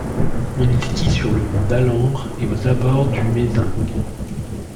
On y skie sur le mont d'Alambre et aux abords du Mézenc.